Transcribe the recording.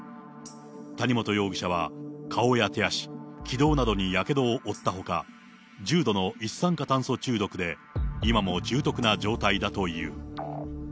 谷本容疑者は、顔や手足、気道などにやけどを負ったほか、重度の一酸化炭素中毒で、今も重篤な状態だという。